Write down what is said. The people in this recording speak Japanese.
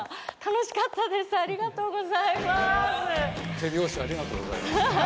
手拍子、ありがとうございます。